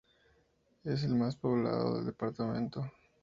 Es el más poblado del departamento.